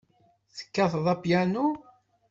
Tekkateḍ apyanu?